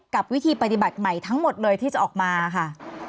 กับวิธีปฏิบัติใหม่ทั้งหมดเลยที่จะออกมาค่ะ